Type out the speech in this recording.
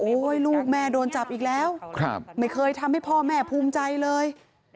ลูกแม่โดนจับอีกแล้วไม่เคยทำให้พ่อแม่ภูมิใจเลย